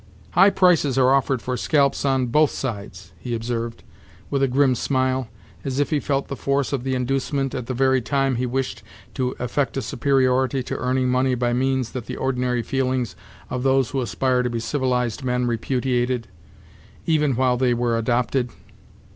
"High prices are offered for scalps on both sides," he observed, with a grim smile, as if he felt the force of the inducement, at the very time he wished to affect a superiority to earning money by means that the ordinary feelings of those who aspire to be civilized men repudiated, even while they were adopted.